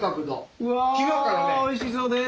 うわおいしそうです！